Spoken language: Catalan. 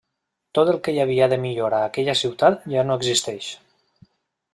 Tot el que hi havia de millor a aquella ciutat ja no existeix.